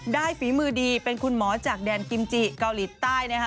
ฝีมือดีเป็นคุณหมอจากแดนกิมจิเกาหลีใต้นะคะ